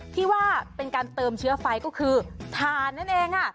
ที่ว่าเป็นการเติมเชื้อไฟก็คือถ่านนั่นเองค่ะ